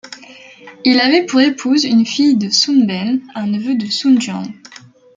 Il avait pour épouse une fille de Sun Ben, un neveu de Sun Jian.